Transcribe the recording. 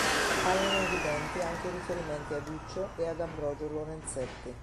Appaiono evidenti anche i riferimenti a Duccio e ad Ambrogio Lorenzetti.